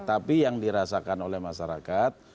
tapi yang dirasakan oleh masyarakat